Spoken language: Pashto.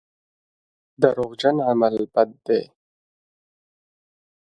دروغجن عمل بد دی.